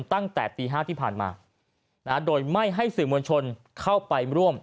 ตั้งแต่ตี๕ที่ผ่านมาโดยไม่ให้สื่อมวลชนเข้าไปร่วม